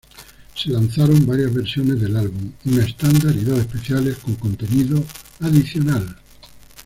Se lanzaron varias versiones del álbum: Una estándar y dos especiales con contenido adicional.